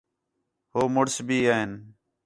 ہو مُݨس بھی این